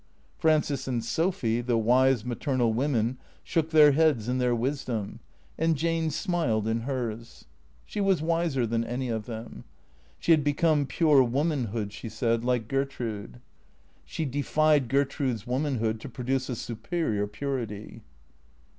Frances and Sophy, the wise maternal women, shook their heads in their wisdom; THECEEATOES 407 and Jane smiled in hers. She was wiser than any of them. She had become pure womanhood, she said, like Gertrude. She defied Gertrude's womanhood to produce a superior purity.